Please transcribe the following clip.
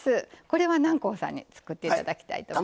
これは南光さんに作って頂きたいと思います。